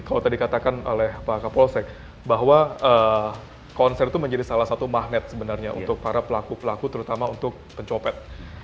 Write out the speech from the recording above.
kalau tadi katakan oleh pak kapolsek bahwa konser itu menjadi salah satu magnet sebenarnya untuk para pelaku pelaku terutama untuk pencopet